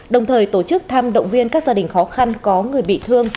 đồng thời tổ chức thăm động viên các gia đình khó khăn có người bị thương